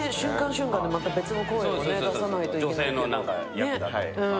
瞬間でまた別の声を出さないといけない。